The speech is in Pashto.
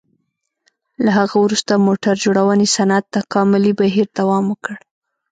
له هغه وروسته موټر جوړونې صنعت تکاملي بهیر دوام وکړ.